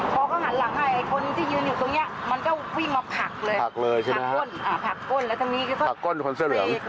พ่อก็หันหลังให้คนที่ยืนอยู่ตรงนี้มันก็วิ่งมาผักเลย